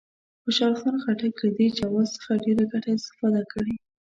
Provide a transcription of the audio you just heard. خوشحال خان خټک له دې جواز څخه ډېره کمه استفاده کړې.